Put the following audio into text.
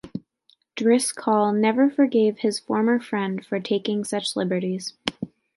Driscoll never forgave his former friend for taking such liberties.